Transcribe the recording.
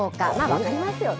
分かりますよね。